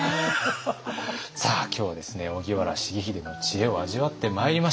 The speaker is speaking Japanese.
さあ今日はですね荻原重秀の知恵を味わってまいりました。